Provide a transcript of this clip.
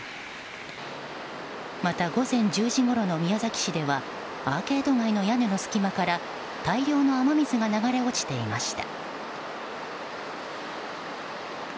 また、午前１０時ごろの宮崎市ではアーケード街の屋根の隙間から大量の雨水が流れ落ちていました。